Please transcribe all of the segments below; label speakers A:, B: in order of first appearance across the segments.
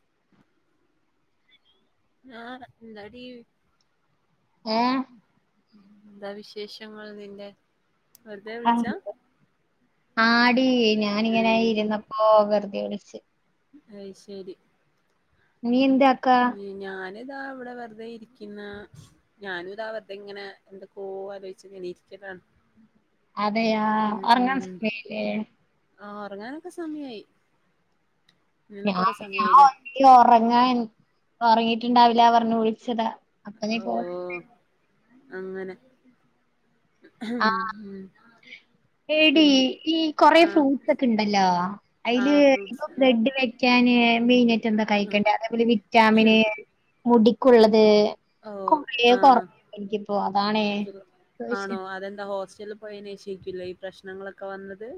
A: [inaudible]
B: ആഹ് ന്താടി
A: ഏഹ്
B: ന്താ വിശേഷങ്ങൾ നിന്റെ വെറുതെ
A: അ
B: വിളിച്ചാ
A: ആടി
B: ഏ
A: ഞാനിങ്ങനെ ഇര്ന്നപ്പൊ വെർതെ വിൾച്ച്
B: അയ് ശരി.
A: നീ എന്താക്ക
B: ഉം, ഞാനിതാ ഇവടെ വെർതെ ഇരിക്കിന്ന ഞാന് താ വെർതെങ്ങനെ ന്തൊക്കോ ആലോയ്ച്ച് ങ്ങനെ ഇരിക്കലാണ്.
A: അതെ ആഹ്
B: ഉം
A: ഒർങ്ങാൻ
B: ഉം
A: സമയായ്ലെ
B: ആ ഒർങ്ങാനൊക്കെ സമയായി
A: ഞാ
B: നിനക്കവിടെ സമയായില്ല
A: ഞാൻ ഒറങ്ങാൻ ഒറങ്ങീട്ട്ണ്ടാവില പറഞ്ഞ് വിൾച്ചതാ.
B: ഓഹ് അങ്ങനെ
A: ആഹ്
B: ഉം.
A: എടീ
B: പിന്നെ
A: ഈ കൊറെ
B: ആ
A: ഫ്രൂട്ട്സൊക്കെ ണ്ടല്ലോ
B: ആ
A: അയ്ല്
B: ഫ്രൂട്ട്സ്
A: ഇപ്പൊ ബ്ലഡ്‌ വെക്കാന് മെയ്നായ്റ്റെന്താ
B: ആ
A: കഴിക്കണ്ടേ അതേപോലെ വിറ്റാമിന് മുടിക്കുള്ളത്
B: ഓഹ് ആഹ്
A: എനിക്കിത് പോവാണ്
B: ആണോ അതെന്താ ഹോസ്റ്റൽല് പോയയ്‌നേഷയ്‌ക്കു ലെ ഈ പ്രശ്നങ്ങളൊക്കെ വന്നത്.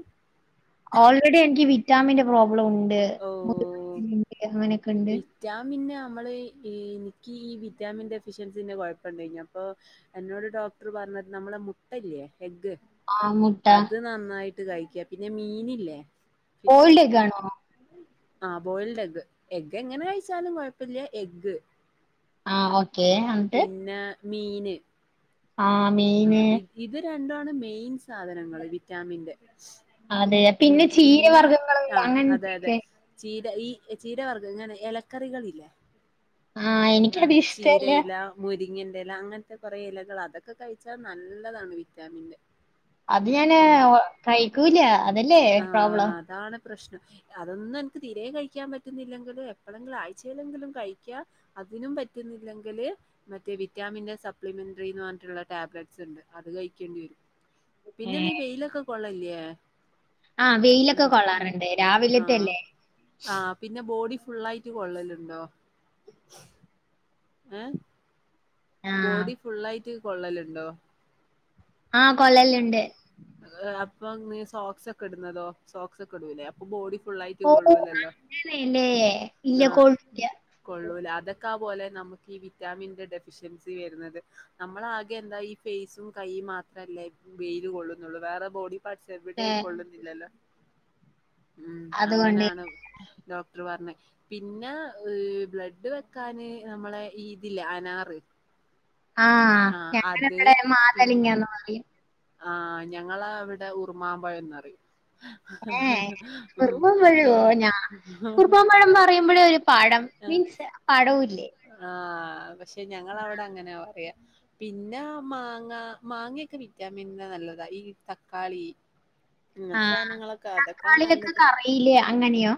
A: ഓൾറെഡി എനിക്ക് വിറ്റാമിന്റെ പ്രോബ്ലം ഉണ്ട്
B: ഓ
A: മു [unintelligible] നെക്കെണ്ട്.
B: ഞാൻ പിന്നെ അമ്മള് എനിക്കീ വിറ്റാമിന്റെ എഫിഷ്യൻസിന്റെ കൊഴപ്പണ്ടയ്നി അപ്പൊ എന്നോട് ഡോക്ട്ർ പറഞ്ഞത് നമ്മളെ മുട്ടല്ലേ എഗ്ഗ്
A: ആ മുട്ട
B: അത് നന്നായിട്ട് കഴിക്കാ പിന്നെ മീനില്ലേ ഫിഷ്
A: കോൾഡ് ഒക്കെ ആണോ
B: ആഹ് ബോയിൽഡെഗ്ഗ്. എഗ്ഗ് എങ്ങനെ കയ്ച്ചാലും കൊയപ്പല്ല്യ എഗ്ഗ്
A: ആ ഓക്കെ
B: ഉം
A: എന്നിട്ട്
B: പിന്നെ മീന്
A: ആ
B: ആ
A: മീന്
B: ഇത് ഇത് രണ്ടു മാണ് മെയിൻ സാധനങ്ങൾ വിറ്റാമിന്റെ.
A: അതെ
B: ഉം പിന്നെ
A: ചീരവർഗ്ഗങ്ങള്
B: ആഹ് അതെ അതെ.
A: അങ്ങനത്തെയൊക്കെ
B: ചീര ഈ ചീരവർഗ്ഗം ഇങ്ങനെ ഇലക്കറികള് ഇല്ലേ.
A: ആ എനിക്കത്
B: ആഹ്
A: ഇഷ്ടല്ല
B: ചീരയില. മുരിങ്ങിന്റെ ഇല അങ്ങനത്തെ കുറെ ഇലകൾ അതൊക്കെ കഴിച്ചാൽ നല്ലതാണ് വിറ്റാമിന്റെ.
A: അത് ഞാന്
B: ഉം
A: കഴിക്കൂല അതല്ലേ പ്രോബ്ലം.
B: ആഹ് അതാണ് പ്രശ്നം അതൊന്നും അനക്ക് തീരെ കഴിക്കാൻ പറ്റുന്നില്ലെങ്കും എപ്പോഴെങ്കിലും ആഴ്ചയില്ലെങ്കിലും കഴിക്കാ അതിനും പറ്റുന്നില്ലെങ്കില് മറ്റേ വിറ്റാമിന്റെ സപ്ലിമെന്ററി ന്ന് പറഞ്ഞിട്ടുള്ള ടാബ്ലറ്റ്സ് ഉണ്ട് അത് കഴിക്കേണ്ടി വരും
A: ഏ
B: പിന്നെ നീ വെയിലൊക്കെ കൊള്ളല്ലില്ലേ
A: ആഹ വെയിലൊക്കെ കൊള്ളാറുണ്ട് രാവിലത്തെല്ലേ
B: ആ പിന്നെ ബോഡി ഫുുള്ളായിറ്റ് കൊള്ളലുണ്ടോ
A: [unintelligible]
B: ഏഹ
A: ആ
B: ബോഡി ഫുള്ളയിട്ട് കൊള്ളലുണ്ടോ
A: ആ
B: ആ കൊള്ളാലുണ്ട്
A: കൊള്ളലുണ്ട്
B: കൊള്ളാലിണ്ട് ആഹ് അപ്പോ നീ സോക്സ് ഒക്കെ ഇടുന്നതോ സോക്സ് ഒക്കെ ഇടൂലേ അപ്പൊ ബോഡി ഫുള്ളയിട്ട്
A: ഓ
B: കൊള്ളൂലല്ലോ
A: അങ്ങനെയല്ലേ ഇല്ല
B: ആ
A: കോൾഡില്ല
B: കൊള്ളൂല അതൊക്കെ പോലെ നമുക്ക് ഈ വിറ്റാമിന്റെ ഡെഫി ഡെഫിനൻസി വരുന്നത് നമ്മൾ ആകെ എന്താ ഈ ഫേസും കൈയും മാത്രല്ലേ വെയിൽ കൊള്ളുന്നുള്ളൂ വേറെ ബോഡി പാഡ്സ്
A: ഏ
B: എവിടെയും കൊള്ളുന്നില്ലല്ലോ ഉം
A: അതുകൊണ്ട്
B: അങ്ങനാണ് ഡോക്ടർ പറഞ്ഞക് പിന്നെ ബ്ലഡ് വെക്കാാന് നമ്മളെ ഇതില്ലെ അനാർ
A: ആഹ ഞങ്ങള
B: അത്
A: ഇവിടെ ങ്ങൾ മാതലിങ്ങന്ന പറയ
B: ആ ഞങ്ങള അവിടെ ഉർമാമ്പഴന്നറിം
A: ഏ ഉർമ പഴുവോ
B: പിന്നെ
A: ഞാ ഉർമാ പഴം പറയുമ്പോഴേ പാഴം മീൻസ് പാടഴു ല്ലേ
B: ആഹ് പക്ഷെ ഞങ്ങളവിടെ അങ്ങനെ പറയാ പിന്നെ മാങ്ങ മാങ്ങൊക്കെ വിറ്റാമിന് നല്ലതാ ഈ തക്കാളി ഇങ്ങനത്തെ
A: ആഹ
B: സാധനങ്ങളൊക്കെ അതൊക്കാ
A: തക്കാളിയൊക്കെ
B: നല്ലത്
A: കറിയില് അങ്ങനെയോ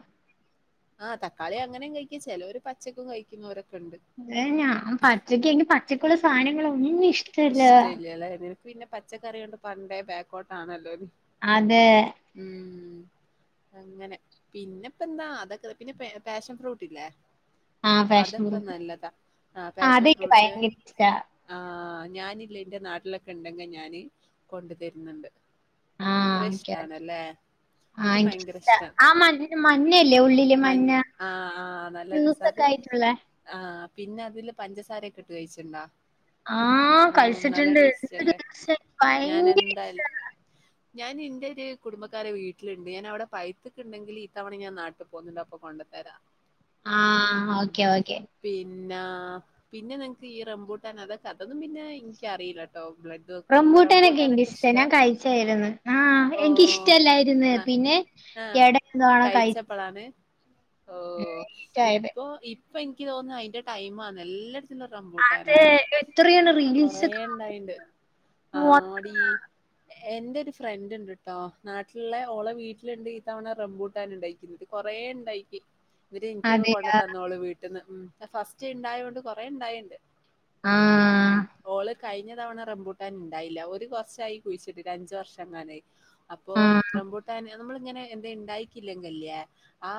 B: ആഹ് തക്കാളി അങ്ങനും കഴിക്കാ ചെലോര് പച്ചക്കും കഴിക്കുന്നോരൊക്കണ്ട്
A: അത് ഞാൻ പച്ചക്ക് എനിക്ക് പച്ചക്കുള്ള സാധനങ്ങളൊന്നു ഷ്ടല്ല
B: ഇഷ്ടാല്യല്ലെ നിനക്ക് പിന്നെ പച്ചക്കറി കൊണ്ട് പണ്ടേ ബോക്കോട്ട് ആണല്ലോ നീ
A: അതെ
B: ഉം അങ്ങനെ പിന്നെപ്പന്താ അതൊക്കെ പിന്നെ പെ പാഷൻ ഫ്രൂട്ട് ഇല്ലേ
A: ആഹ് ഫാഷൻ
B: അതൊക്കെ
A: ഫ്രൂട്ട്
B: നല്ലതാ ആ
A: ആഹ്
B: പാഷൻ
A: അതെനിക്ക്
B: ഫ്രൂട്ട്
A: ഭയങ്കര ഇഷ്ടാ.
B: ആ ഞാനില്ലേ എന്റെ നാട്ടിലൊക്കെ ഉണ്ടെങ്കിൽ ഞാാന് കൊണ്ടു തരുന്നുണ്ട് അത്ര
A: ആഹ് ഓക്കെ ഓക്കെ.
B: ഇഷ്ടണല്ലേ
A: ആഹ്
B: എനിക്ക് ഭയങ്കര
A: എനിക്കിഷ്ടാ.
B: ഇഷ്ടാ ആ
A: മഞ്ഞ മഞ്ഞയില്ലേ ഉള്ളില്
B: മഞ്ഞല്ലേ മഞ്ഞ ആഹ ആഹ നല്ല രസാത്
A: അല്ലേ
B: ആ പിന്നെ അതില് പഞ്ചസാരെക്കെ ട്ട് കഴിച്ചിട്ട്ണ്ടോ
A: ആഹ
B: ആ നല്ല ടേസ്റ്റ് അല്ലേ ഞൻ
A: ഭയങ്കര ഇഷ്ടാ.
B: എന്തായാലും ഞാൻ ഇന്റെ രു കുടുംബക്കാരെ വീട്ടിലുണ്ട് ഞാൻ അവിടെ പയ്ത്ത്ക്ക് ണ്ടെങ്കിൽ ഇതവണ ഞാൻ നാട്ടിൽ പോകുന്നുണ്ട് അപ്പൊ കൊണ്ടു തരാം
A: [inaudible]
B: ഉം
A: ഓക്കെ ഓക്കെ.
B: പിന്നാ പിന്നെ നിനക്ക് ഈ റംബൂട്ടൻ അതൊക്കെ അതൊും പിന്ന എനിക്കറിയില്ല കേട്ടോ ബ്ലഡ് വെക്കൊന്ന്
A: റംബൂട്ടാനൊക്കെ
B: റമ്പൂട്ടാനൊക്കെ
A: എനിക്കിഷ്ടാ
B: ഇഷ്ടാ
A: ഞാൻ കഴിച്ചായിരുന്നു ആഹ്
B: ഓ
A: എനിക്കിഷ്ടല്ലായിരുന്നു
B: ന്ന
A: പിന്നെ
B: ആഹ
A: എട എന്തുവാണോ കഴിച്ചത്
B: കഴിച്ചപ്പളാണ് ഓ
A: ഇഷ്ടായത്
B: ഇപ്പൊ ഇ ഇപ്പൊ ഇനിക്ക് തോന്നുന്നു അതിന്റെ ടൈമാന്ന് എല്ലാട്ത്തും
A: അത്
B: റംബൂട്ടാനാണ്.
A: എത്രയാണ്
B: കൊറെ
A: റീൽസൊക്കെ
B: ഇണ്ടായിണ്ട് ആടി എന്റെറെ ഒരു ഫ്രണ്ട് ണ്ട്ട്ടോ നാട്ടിലുള്ള ഓളെ വീട്ടിലുണ്ട് ഈ തവണ റംബൂട്ടൻ ഉണ്ടായി. കൊറെ ഉണ്ടായിക്ക് ഇന്നട്ട് ഇനിക്കൊക്കെ കൊണ്ടു
A: അതെയാ
B: തന്നോള് വീട്ടന്ന് ഉം ഫസ്റ്റ് ഉണ്ടായതൊണ്ട് കൊറെ ണ്ടായിണ്ട്.
A: ആഹ
B: ഉം, ഓള് കഴിഞ്ഞ തവണ റംമ്പൂട്ടാൻ ണ്ടായില്ല, ഓര് കൊർച്ചായി കുഴിച്ചിട്ട്ട്ട് അഞ്ചു വർഷംങ്ങാനായി. അപ്പൊ
A: ആഹ്
B: റംബൂട്ടാൻ നമ്മള് ഇങ്ങനെ ന്തേ ണ്ടായിക്കില്ലെങ്കില്ലെ ആ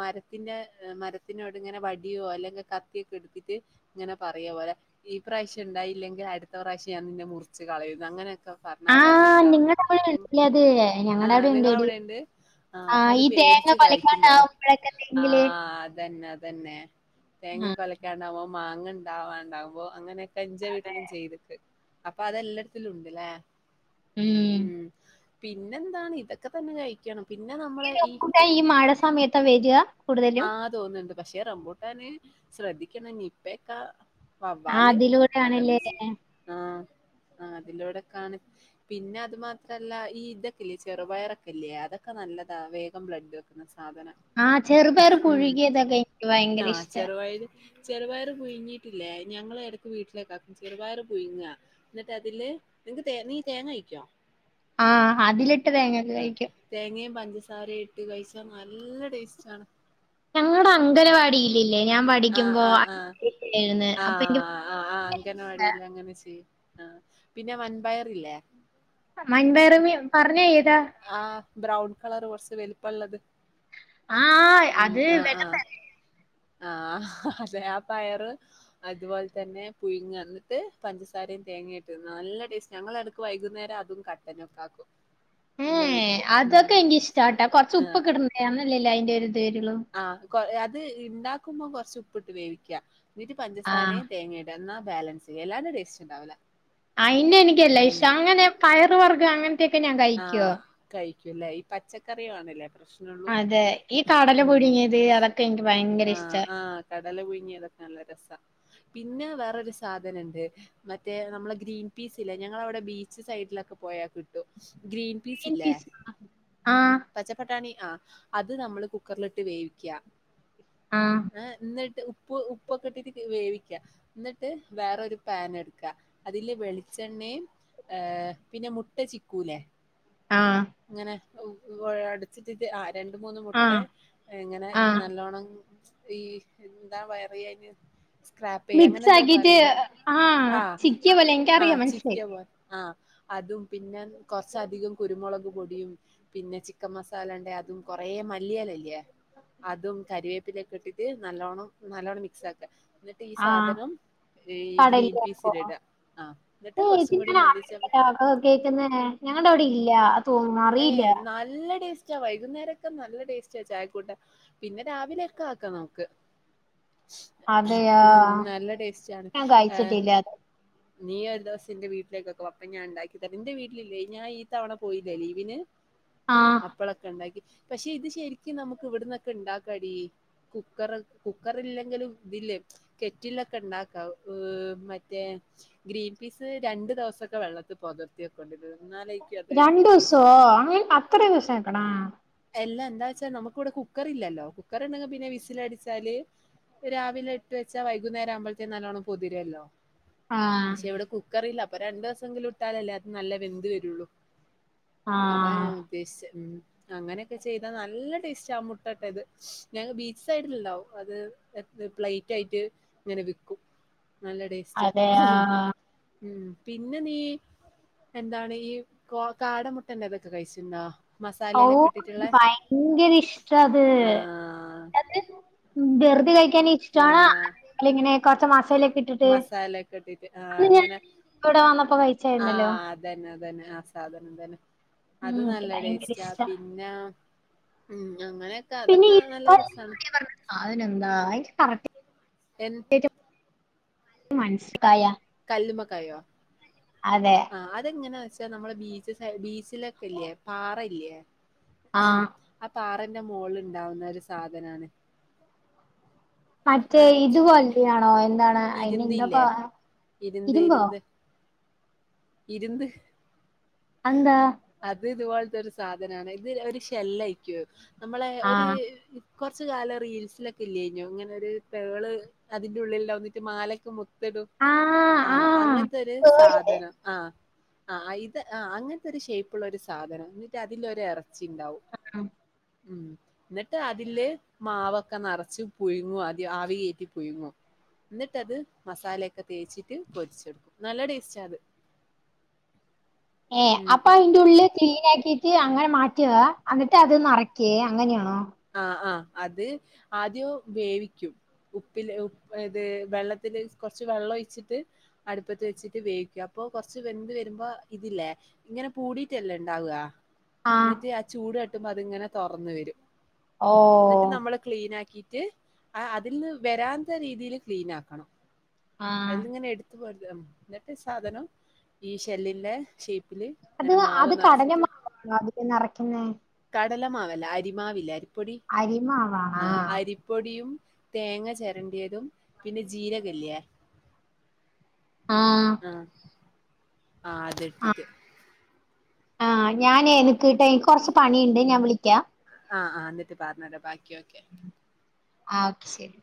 B: മരത്തിന്റെ മരത്തിനോട് ഇങ്ങനെ വടിയോ അല്ലെങ്കി കത്തിയൊക്കെടുത്തിട്ട് ഇങ്ങനെ പറയാ പോലെ ഈ പ്രാവശ്യം ണ്ടായില്ലങ്കിൽ അട്ത്ത പ്രാവശ്യം ഞാൻ നിന്നെ മുറിച്ച് കളയും അങ്ങനെയൊക്കെ പറഞ്ഞാല്
A: ആഹ്
B: അത്ണ്ടാവും,
A: നിങ്ങടെ അവിടെ ഉണ്ടല്ലേ അത് ഞങ്ങടെ
B: ആഹ്‌
A: അവിടെ ഉണ്ടെടി
B: നിങ്ങളവിടെണ്ട്. ആഹ്‌, അപ്പൊ
A: ആഹ്
B: അത്
A: ഈ തേങ്ങ
B: പേടിച്ച് കായ്ക്കുമ്പോലെ
A: കൊലക്കാണ്ടാവുമ്പഴൊക്കെ തെങ്ങില്
B: ആഹ്‌ അതന്നെ അതന്നെ. തേങ്ങ
A: ആഹ്
B: കൊലയ്ക്കാണ്ടാവുമ്പോ മാങ്ങ ണ്ടാവാണ്ടാവുമ്പോ അങ്ങനെയൊക്കെ ഇന്റെ വീട്ടിലും ചെയ്ത്ട്ട് അപ്പൊ അതെല്ലാട്ത്തിലും ഉണ്ട്ല്ലേ.
A: ഉം.
B: ഉം, പിന്നെന്താണ് ഇതൊക്കെ തന്നെ കഴിക്കണം. പിന്നെ നമ്മള് ഈ
A: റംബൂട്ടാൻ മഴ സമയത്താ വരിക കൂടുതലും
B: ആ തോന്ന്ണ്ട്, പക്ഷെ റംബൂട്ടാന് ശ്രദ്ധിക്കണം നിപ്പക്കെ പാല് അതൊക്കെ
A: അതിലൂടെയാണല്ലേ
B: ആഹ്‌ ആ അതിലൂടെ ക്കാണ് പിന്നെ അത് മാത്രല്ല ഈ ഇതൊക്കെല്ലിയെ ചെറുപയറൊക്കെല്ലിയെ അതൊക്കെ നല്ലതാ വേഗം ബ്ലഡ് ന്ന സാധന
A: ആഹ്, ചെറുപയർ പുഴുകിയതൊക്കെ എനിക്ക് ഭയങ്കര
B: ആഹ്
A: ഇഷ്ട്ടാ.
B: ചെറുപയര് ചെറുപയർ പുഴങ്ങിട്ടില്ലേ ഞങ്ങള് എടക്ക് വീട്ടിലൊക്കെ ആക്കും ചെറുപയറ് പുഴുങ്ങാ. എന്നിട്ട് അതില് നിങ്ങക്ക് തേ നീ തേങ്ങ കഴിക്കോ?
A: ആഹ്‌ അതിലിട്ട് തേങ്ങക്കെ കഴിക്കും.
B: തേങ്ങിയിം പഞ്ചസാരിം ഇട്ട് കഴിച്ചാ നല്ല ടേസ്റ്റ് ആണ്.
A: ഞങ്ങടെ അങ്കലവാടിയിലില്ലേ ഞാൻ
B: ആഹ്‌
A: പഠിക്കുമ്പോ
B: ആഹ് ആഹ്‌.
A: രുന്ന് അപ്പൊ എനിക്ക്
B: ആഹ്‌, ആ ആ അംഗനവാടിയിൽ അങ്ങനെ ചെയ്യും, ആ പിന്നെ വൻപയറില്ലേ?
A: മൻപേറമി പറഞ്ഞ ഏതാ?
B: ആഹ്‌, ബ്രൗൺ കളർ കൊർച്ച് വലിപ്പള്ളത്.
A: ആഹ്
B: ഉം,
A: അത്
B: ആഹ്
A: വെള്ള
B: ആഹ്‌ ആഹ്‌ അതെ ആ പയറ് അതുപോലെ തന്നെ പുഴുങ്ങ എന്നിട്ട് പഞ്ചസാരേം തേങ്ങ ഇട്ട് നല്ല ടേസ്റ്റ് ഞങ്ങളടക്ക് വൈകുന്നേരം അതും കട്ട തനെക്കാക്കും.
A: ഏ അതൊക്കെ എനിക്ക് ഇഷ്ട്ടാട്ടൊ കൊർച്ച് ഉപ്പൊക്കെ ഇട അന്നല്ലേ ല്ലായിന്റിം ഒരു ദെരുള്ളൂ.
B: ആ, അത് ഇണ്ടാക്കുമ്പോം കൊർച്ച് ഉപ്പിട്ട് വേവിക്കാ, ന്നിട്ട്
A: ആഹ്
B: പഞ്ചസാരയം തേങ്ങേയിം എന്നാ ബാലൻസ് [unintelligible] ടേസ്റ്റ് ഉണ്ടാവുലെ.
A: ആയിന്നെ എനിക്കല്ല ഇഷ അങ്ങനെ പയർ വർഗം അങ്ങനത്തെയൊക്കെ ഞാൻ കഴിക്കോ?
B: കഴിക്കല്ലേ, ഈ പച്ചക്കറി ആണല്ലേ പ്രശ്നള്ളൂ.
A: ഏ ഈ ക
B: ഉം ആഹ്‌
A: ഇഷ്ടാ
B: ആഹ്‌ കടല പുഴങ്ങിതൊക്കെ നല്ല രസാ. പിന്നെ വേറൊരു സാധനണ്ട്. മറ്റേ നമ്മളെ ഗ്രീൻ പീസ് ഇല്ലേ, ഞങ്ങളവടെ ബീച്ച് സൈഡിലൊക്കെ പോയാൽ കിട്ടും ഗ്രീൻ പീസ്സ് ഇല്ലേ
A: ആഹ്
B: പച്ചപ്പട്ടാണി ആ അത് നമ്മള് കുക്കർല്ട്ട് വേവിക്കിയാ.
A: ആഹ്‌.
B: ആ, ന്നിട്ട് ഉപ്പ് ഉപ്പൊക്കെ ഇട്ടിട്ടിട്ട് വേവിക്കെയാ. ന്നിട്ട്, വേറൊരു പേന ട്ക്കാ എട്ക്ക അതില് വെളിച്ചെണ്ണയിം. ഏ പിന്നെ മുട്ട ചിക്കൂലെ
A: ആഹ്
B: അങ്ങനെ അടച്ചിട്ടി് ആ രണ്ട് മൂന്ന എന്
A: ആഹ്
B: എങ്ങനെ
A: ആഹ്
B: നല്ലോണം ഈ എന്താ പറയിയ അയിന് സ്ക്രാപെയ്യ അങ്ങനെ
A: മിക്സ്
B: എന്തോ
A: ആക്കിട്ട്
B: പറയിലേ
A: ആഹ്
B: ആ
A: ചിക്കിയ പോലെ
B: ആ
A: എനിക്കറിയാം മനസ്സിലായി
B: ചിക്യ പോലെ ആഹ് അതും പിന്നെ കൊറച്ചധികം കുരുമുളക് പൊടിയും. പിന്നെ ചിക്കൻ മസാല ഉണ്ട അതും കൊറേ മഞ്ഞ [unintelligible] അതും കറിവേപ്പില ഒക്കെ ഇട്ടിട്ട് നല്ലോണ്ണം നല്ലോണ്ണം മിക്സ് ആക്ക ന്നിട്ട് ഈ
A: ആഹ്
B: സാധനം ഗ്രീൻ
A: കടലിലാക്കോ
B: പീസിലിടാ ആ ന്നിട്ട് കൊറച്ചും കൂടി മല്ലിച്ച
A: കേൾക്കുന്ന ഞങ്ങളുടെ അവിടെ ഇല്യ
B: ഏ നല്ല ടേസ്റ്റാ വൈകുന്നേരൊക്കെ നല്ല ടേസ്റ്റാ ചായക്കൂട്ട പിന്നെ രാവിലൊക്കെ ആക്കാം നമുക്ക്
A: അതെയാ
B: ഉം നല്ല ടേസ്റ്റ് ആണ്
A: ഞാൻ
B: ഏ
A: കഴിച്ചിട്ടില്ല അത്
B: നീ ഒരു ദിവസ എന്റെ വീട്ടിലേക്കൊക്കെ വാ അപ്പം ഞാൻ ഉണ്ടാക്കി തരാ ന്റെ വീട്ടിലില്ലേ ഞാ ഈ തവണ പോയി. ലീവിന്
A: ആഹ്
B: അപ്പളൊക്കെ ണ്ടാക്കി പക്ഷെ ഇത് ശെരിക്കും നമുക്ക് ഇവിടന്നൊക്കെണ്ടാക്കാടീ കുക്കർ കുക്കർ ഇല്ലെങ്കിലും തില്ലേ. കെറ്റിൽലൊക്കെ ണ്ടാക്കാ ഉം മറ്റേ ഗ്രീൻ പീസ് രണ്ടു ദിവസൊക്കെ വെള്ളത്തി പൊതിർത്തി വെക്കൊണ്ടി ട്ടോ എന്നാലേക്ക് അത്
A: രണ്ട്
B: മനസ്
A: ദിവസോ അത്ര ദിവസം ആക്കണ
B: എല്ലാ എന്താ വെച്ചാൽ നമുക്കിവിടെ കുക്കർ ഇല്ലല്ലോ. കുക്കർ ണ്ടെങ്കി പിന്നെ വിസിലടിച്ചാല് രാവിലെ ഇട്ട് വെച്ചാ വൈകുന്നേര ആവുമ്പോഴത്തേ നല്ലോണ്ണം പൊതിരല്ലോ?
A: ആഹ്
B: പക്ഷെ ഇവിടെ കുക്കറില്ല. അപ്പൊ രണ്ടു ദിവസങ്കിലും ഇട്ടാലല്ലേ അത് നല്ല വെന്ത് വരുള്ളു അതാ ഞ
A: ആഹ്
B: ഉദേശിച്ചേ. അങ്ങനെയൊക്കെ ചെയ്താ നല്ല ടേസ്റ്റ് ആഹ് മുട്ടട്ടത് ഞങ്ങ ബീച്ച് സൈഡിൽ ഉണ്ടാവും. അത് എ പ്ലേറ്റ് ആയിട്ട് ഇങ്ങനെ വിക്കും നല്ല ടേസ്റ്റാ
A: അതെയാ
B: ഉം പിന്നെ നീ എന്താണ് ഈ കോ കാടമുട്ടന്നതൊക്കെ കഴിച്ചിന്നാ. മസാലയിലൊക്കെ
A: ഓഹ് എനിക്ക്
B: ഇട്ടിട്ടുള്ളെ
A: ഭയങ്കര ഇഷ്ട്ടാത്
B: ആഹ്
A: വെറുതെ കഴിക്കാൻ ഇഷ്ട്ടാണ്
B: ആഹ്
A: [unintelligible] ഇങ്ങനെ കൊറച്ച മസാലൊക്കെ ഇട്ടിട്ട്
B: കെട്ടിട്ട് ആ
A: അന്ന് ഞാൻ
B: ങ്ങനെ
A: ഇവിടെ വന്നപ്പോ കഴിച്ചായിരുന്നല്ലോ.
B: അതന്നെതന്നെ ആ സാധനം തന്നെ
A: ഉം
B: അത്
A: എനിക്ക്
B: നല്ല
A: ഭയങ്കര
B: ടേസ്റ്റ് ആഹ്
A: ഇഷ്ടാ
B: പിന്ന ഉം അങ്ങനെ
A: പിന്നെ [unintelligible] എന്താ കറക്റ്റ്
B: എൻ
A: [inaudible] മൻസ്സിലായ
B: കല്ലുമ്മക്കായോ
A: അതെ
B: ആ അതെങ്ങനാ വെച്ചാ നമ്മെ ബീച്ച് ബീച്ചിലൊക്കെ ഇല്ലേ പാറല്യേ
A: ആ
B: ആ പാറന്റെ മോളുണ്ടാവുന്ന ഒരു സാധനാണ്
A: മറ്റേ
B: ആ
A: ഇത് പോലെയാണോ. എന്താണ് അയിനേന്താപ്പ
B: ഇരുന്തില്ലേ ഇരുന്ത്
A: ഇരുമ്പോ
B: ഇരുന്ത് ഇരുന്ത്
A: അതെന്താ
B: അത് ഇതുപോലത്തെ ഒരു സാധനാണ് ഇത് ഒരു ഷെല്ലയിക്കും നമ്മളെ
A: ആ
B: ഒരു കുറച്ച കാലം റീൽസിലൊക്കെ ഇല്ലെനിയോ ഇങ്ങനെ ഒരു പേള് അതിറെ ഉള്ളിൽ വന്നിട്ട് മാലക്കെ മുത്ത്
A: ആ ആ
B: ആഹ് അങ്ങനത്തെ ഒരു
A: പേര്.
B: സാധനം ആഹ് ആഹ് ആഹ് അങ്ങനത്തെ ഒരു ഷേയ്പ്ള്ള ഒരു സാധനം എന്നിട്ട് അതിലൊരു എറച്ചിണ്ടാവും ഉം എന്നിട്ട് അതില് മാവൊക്കെ നിറച്ച് പുഴുങ്ങും ആദ്യം ആവി കയറ്റി പുഴുങ്ങും. ന്നിട്ടത് മസാലയൊക്കെ തേച്ചിട്ട് പൊരിച്ചെട്ക്കും നല്ല ടേസ്റ്റാ അത്.
A: ഏ, അപ്പൊ
B: ഉം.
A: അയിന്റെ ഉള്ള് ക്ലീൻ ആക്കീട്ട് അങ്ങനെ മാറ്റാ അന്നിട്ട് അത് നറേ ക്കേ, അങ്ങനെയാണോ?
B: ആഹ്‌ ആഹ്‌ അത് ആദ്യം വേവിക്കും. ഉപ്പില് ഉപ്പ് ഏത് വെള്ളത്തില് കൊർച്ച് വെള്ളഴിച്ചിട്ട് അടുപ്പത്ത് വെച്ചിട്ട് വേവിക്ക, അപ്പൊ കൊർച്ച് വെന്ത് വരുമ്പോ ഇതില്ലേ ഇങ്ങനെ പൂടീട്ടല്ലേ ഉണ്ടാവാ എന്നിട്ട് ആ ചൂട് നട്ടുമ്പോ അതിങ്ങനെ തുറന്ന് വരും
A: ഓ
B: എന്നിട്ട് നമ്മള് ക്ലീൻ ആക്കിട്ട് അതിൽ നിന്ന് വരാത്ത രീതിയിൽ ക്ലീൻ ആക്കണം
A: ആ
B: അതിലിങ്ങനെ എടുത്ത പോയത് എന്നിട്ട് സാധനം ഈ ഷെല്ലിന്റെ ഷേപ്പില്
A: അത്
B: ഇങ്ങനെ മാവ്
A: അത് കടല
B: നെറച്ചിട്ട്
A: മാവല്ലേ അതില് നിറയ്ക്കുന്ന
B: കടലമാവല്ല അരിമാവിലേ അരിപ്പൊടി
A: അരിമാവാണോ
B: ആ അരി പൊടിയും തേങ്ങ ചിരണ്ടിയതും പിന്നെ ജീരകല്ലിയ
A: ആഹ
B: ആഹ് ആഹ് അതെടുത്തിട്ട്
A: ആഹ ഞാനേ നിക്ക്ട്ട എനിക്ക് കൊറച്ച് പണിയുണ്ട് ഞാൻ വിളിക്കാം
B: ആഹ് ആഹ് എന്നിട്ട് പറഞ്ഞേര ബാക്കി ഓക്കെ
A: ആഹ് ഓക്കെ ശരി